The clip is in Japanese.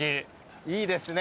いいですね